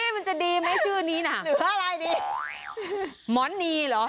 มันจะดีไหมชื่อนี้นะหมอนนี่หรอ